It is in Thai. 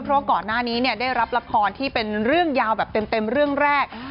เพราะว่าก่อนหน้านี้เนี่ยได้รับละครที่เป็นเรื่องยาวแบบเต็มเรื่องแรก